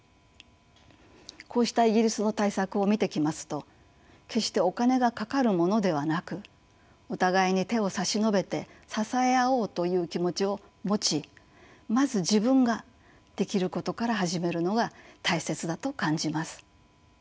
こうしたイギリスの対策を見てきますと決してお金がかかるものではなくお互いに手を差し伸べて支え合おうという気持ちを持ちまず自分ができることから始めるのが大切だと感じます。